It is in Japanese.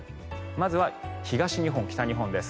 まずは東日本、北日本です。